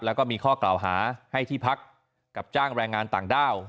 แล้วก็มีข้อกล่าวหาให้ที่พักกับจ้างแรงงานต่างด้าว